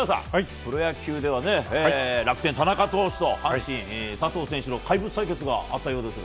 プロ野球では楽天、田中投手と阪神、佐藤選手の怪物対決があったようですが。